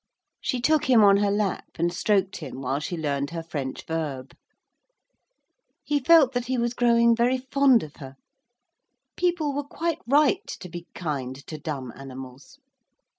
She took him on her lap and stroked him while she learned her French verb. He felt that he was growing very fond of her. People were quite right to be kind to dumb animals.